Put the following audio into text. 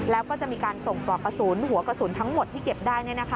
แล้วก็จะมีการส่งปลอกกระสุนหัวกระสุนทั้งหมดที่เก็บได้